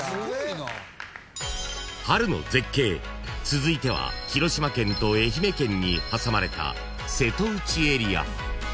［春の絶景続いては広島県と愛媛県に挟まれた瀬戸内エリア］